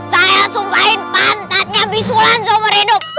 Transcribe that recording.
saya sumpahin pantatnya bisulan seumur hidup